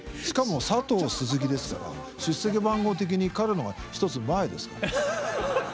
しかも佐藤鈴木ですから出席番号的に彼の方が１つ前ですから。